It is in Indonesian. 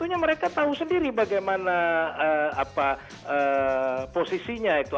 tentunya mereka tahu sendiri bagaimana posisinya itu